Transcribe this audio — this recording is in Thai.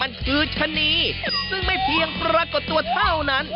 มันคือชะนีซึ่งไม่เพียงปรากฏตัวเท่านั้น